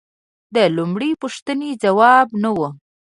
د لومړۍ پوښتنې ځواب نه و